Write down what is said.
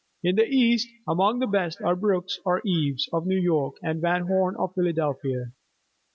In the east, among the best are Brooks or Eaves, of New York, and Van Horn of Philadelphia.